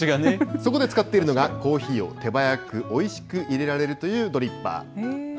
そこで使っているのが、コーヒーを手早くおいしく入れられるというドリッパー。